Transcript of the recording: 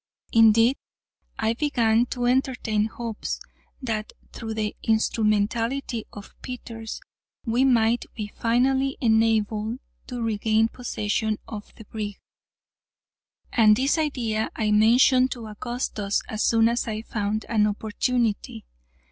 Indeed, I began to entertain hopes, that through the instrumentality of Peters we might be finally enabled to regain possession of the brig, and this idea I mentioned to Augustus as soon as I found an opportunity.